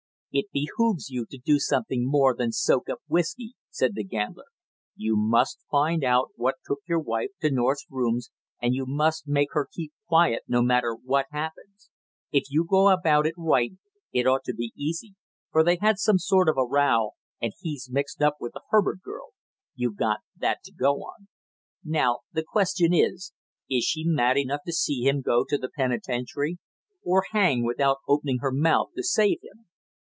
"It behooves you to do something more than soak up whisky," said the gambler. "You must find out what took your wife to North's rooms, and you must make her keep quiet no matter what happens. If you go about it right it ought to be easy, for they had some sort of a row and he's mixed up with the Herbert girl; you got that to go on. Now, the question is, is she mad enough to see him go to the penitentiary or hang without opening her mouth to save him?